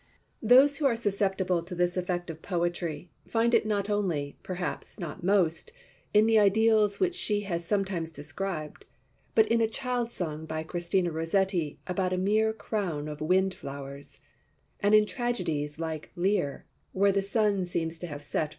Those who are susceptible to this effect of poetry find it not only, perhaps not most, in the ideals which she has sometimes described, but in a child's song by Christina Rossetti about a mere crown of wind flowers, and in tragedies like Lear, where the sun seems to have set for ever.